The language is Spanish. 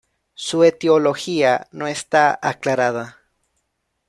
Su etiología no está aclarada.